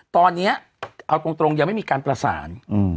ตอนนี้เอาตรงยังไม่มีการประสาน